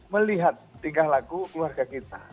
melihat tingkah lagu keluarga kita